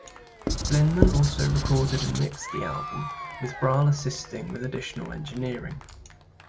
Blinman also recorded and mixed the album, with Brahl assisting with additional engineering.